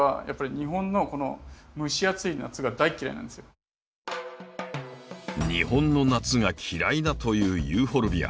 日本の夏が嫌いだというユーフォルビア。